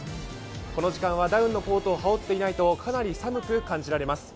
この時間はダウンのコートを羽織っていないとかなり寒く感じます。